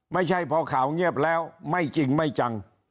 ไม่ใช่พอข่าวเงียบแล้วไม่จริงไม่จัง